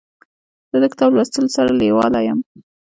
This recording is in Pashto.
زه د کتاب لوستلو سره لیواله یم.